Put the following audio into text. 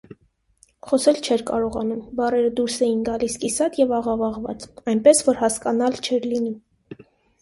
Խոսել չէր կարողանում, բառերը դուրս էին գալիս կիսատ և աղավաղված, այնպես որ հասկանալ չէր լինում: